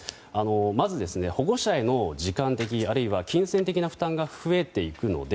まず、保護者への時間的あるいは金銭的な負担が増えていくので